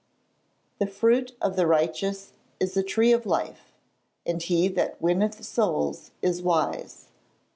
[Verse: "The fruit of the righteous is a tree of life; and he that winneth souls is wise."